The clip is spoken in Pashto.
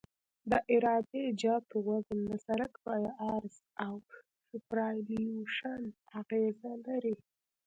د عراده جاتو وزن د سرک په عرض او سوپرایلیویشن اغیزه لري